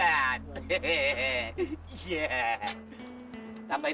jadi itu pembuatan bomnya